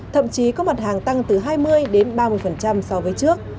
thậm chí có mặt hàng tăng từ hai mươi đến ba mươi so với trước